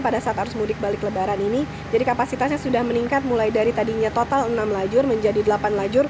pada saat arus mudik balik lebaran ini jadi kapasitasnya sudah meningkat mulai dari tadinya total enam lajur menjadi delapan lajur